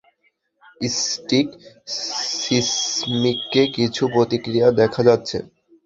Stick, সিসমিকে কিছু প্রতিক্রিয়া দেখা যাচ্ছে।